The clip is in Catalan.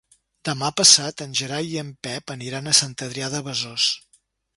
Demà passat en Gerai i en Pep aniran a Sant Adrià de Besòs.